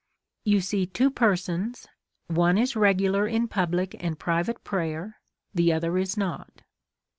You see two persons, one is regular in public and private prayer, the other is not.